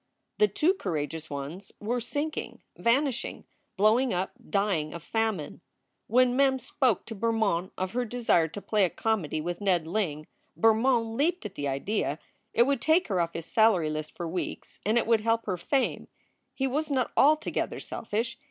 The too courageous ones were sinking, vanishing, blowing up, dying of famine. When Mem spoke to Bermond of her desire to play a comedy with Ned Ling, Bermond leaped at the idea. It would take her off his salary list for weeks and it would help her fame. He was not altogether selfish.